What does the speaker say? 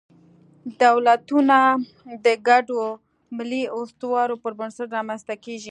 دولتونه د ګډو ملي اسطورو پر بنسټ رامنځ ته کېږي.